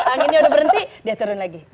anginnya udah berhenti dia turun lagi